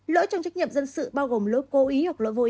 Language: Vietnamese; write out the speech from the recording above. lỗi trong trách nhiệm dân sự bao gồm lỗi cố ý hoặc lội vô ý